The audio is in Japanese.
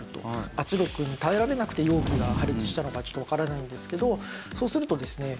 圧力に耐えられなくて容器が破裂したのかちょっとわからないんですけどそうするとですね